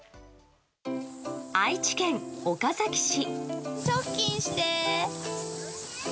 愛知県岡崎市。